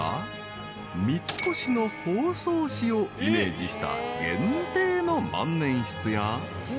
［三越の包装紙をイメージした限定の万年筆や］